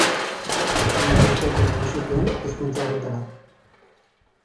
Hainbat itzulpen egin zituen hizkuntza horretara.